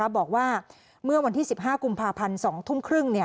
บอกว่าเมื่อวันที่๑๕กุมภาพันธ์๒ทุ่มครึ่ง